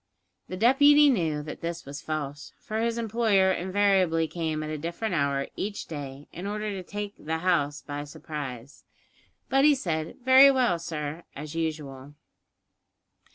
The deputy knew that this was false, for his employer invariably came at a different hour each day, in order to take "the house" by surprise; but he said, "Very well, sir," as usual.